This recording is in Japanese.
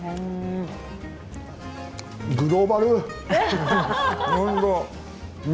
グローバル！